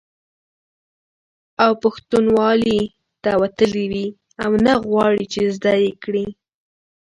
او پښتنوالي نه وتلي وي او نه غواړي، چې زده یې کړي